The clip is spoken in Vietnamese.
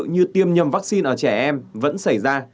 như tiêm nhầm vaccine ở trẻ em vẫn xảy ra